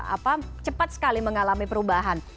apa cepat sekali mengalami perubahan